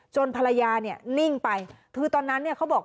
ภรรยาเนี่ยนิ่งไปคือตอนนั้นเนี่ยเขาบอก